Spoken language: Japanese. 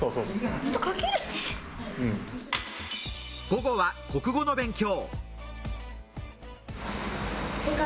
午後は国語の勉強。